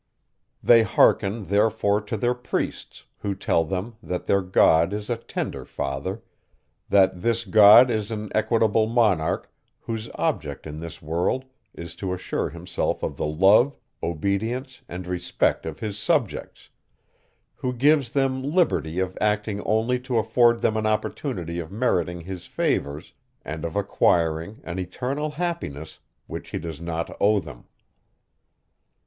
They hearken therefore to their priests, who tell them, that their God is a tender father; that this God is an equitable monarch whose object in this world is to assure himself of the love, obedience and respect of his subjects; who gives them liberty of acting only to afford them an opportunity of meriting his favours, and of acquiring an eternal happiness, which he does not owe them.